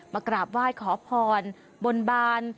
มากราบไหว้ขอพรบนบาน